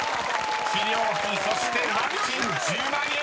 ［「治療費」そして「ワクチン」１０万円］